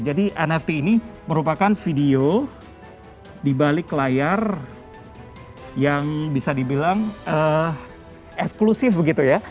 jadi nft ini merupakan video di balik layar yang bisa dibilang eksklusif begitu ya